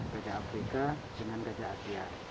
gajah afrika dan gajah asia